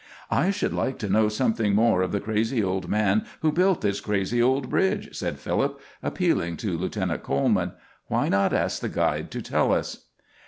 "I should like to know something more of the crazy old man who built this crazy old bridge," said Philip, appealing to Lieutenant Coleman. "Why not ask the guide to tell us?"